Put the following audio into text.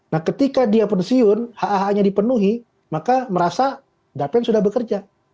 nah ketika dia pensiun hak haknya dipenuhi maka merasa dapen sudah bekerja